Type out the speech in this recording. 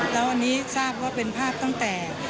แล้วอันนี้ทราบว่าเป็นภาพตั้งแต่